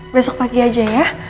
besok pagi aja ya